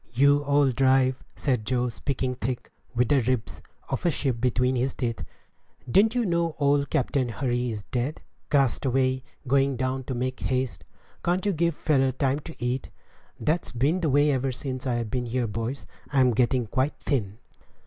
"You old drive," said Joe, speaking thick, with the ribs of a sheep between his teeth, "didn't you know old Captain Hurry is dead? cast away, going down to Make Haste? Can't you give a feller time to eat? That's been the way ever since I've been here, boys. I'm getting quite thin."